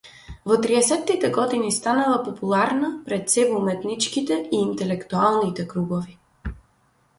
Во триесеттите години станала популарна, пред сѐ во уметничките и интелектуалните кругови.